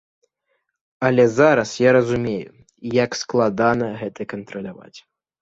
Але зараз я разумею, як складана гэта кантраляваць.